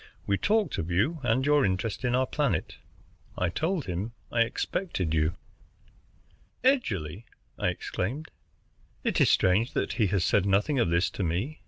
We talked of you and your interest in our planet. I told him I expected you." "Edgerly!" I exclaimed. "It is strange that he has said nothing of this to me.